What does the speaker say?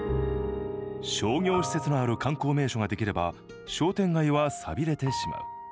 商業施設のある観光名所ができれば商店街はさびれてしまう。